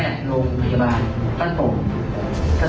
เบอร์เขาเข้าทางขวานี่เขาเป็นคนธนาสาย